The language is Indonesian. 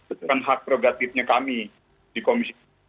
ini semua kan hak prerogatifnya kami di komisi